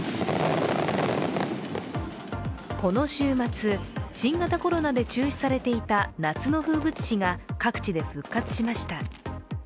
この週末、新型コロナで中止されていた夏の風物詩が、各地で復活しました。